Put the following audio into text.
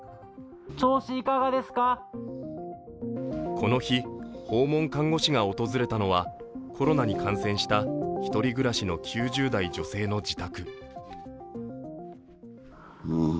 この日、訪問看護師が訪れたのはコロナに感染した１人暮らしの９０代女性の自宅。